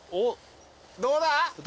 どうだ？